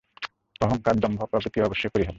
অহঙ্কার, দম্ভ প্রভৃতি অবশ্যই পরিহার্য।